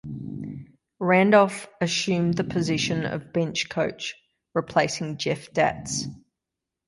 Randolph assumed the position of bench coach replacing Jeff Datz.